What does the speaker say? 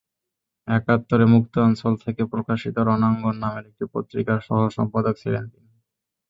একাত্তরে মুক্তাঞ্চল থেকে প্রকাশিত রণাঙ্গন নামের একটি পত্রিকার সহসম্পাদক ছিলেন তিনি।